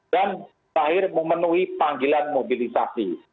dan akhir memenuhi panggilan mobilisasi